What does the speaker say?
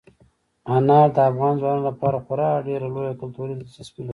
انار د افغان ځوانانو لپاره خورا ډېره لویه کلتوري دلچسپي لري.